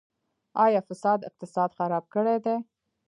آیا فساد اقتصاد خراب کړی دی؟